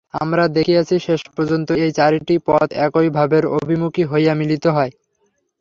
আমরা দেখিয়াছি, শেষ পর্যন্ত এই চারিটি পথ একই ভাবের অভিমুখী হইয়া মিলিত হয়।